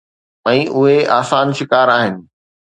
۽ اهي آسان شڪار آهن